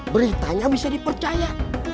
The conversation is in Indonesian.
beritanya bisa dipercaya